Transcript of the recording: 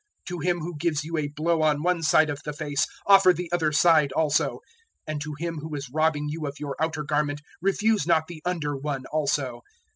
006:029 To him who gives you a blow on one side of the face offer the other side also; and to him who is robbing you of your outer garment refuse not the under one also.